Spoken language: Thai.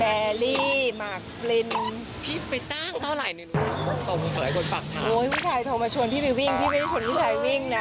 แลรี่มาร์คไฟที่ไปจ้างเป้าหลาย